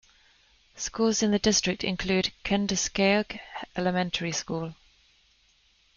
Schools in the district include Kenduskeag Elementary School.